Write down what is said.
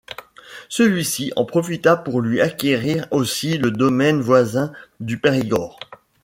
Celui-ci en profita pour lui acquérir aussi le domaine voisin du Périgord.